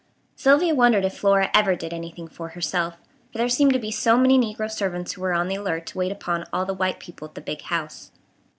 Sylvia wondered if Flora ever did anything for herself; for there seemed to be so many negro servants who were on the alert to wait upon all the white people at the "big house."